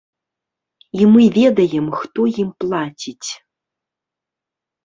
І мы ведаем, хто ім плаціць.